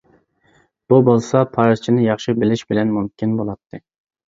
بۇ بولسا پارسچىنى ياخشى بىلىش بىلەن مۇمكىن بولاتتى.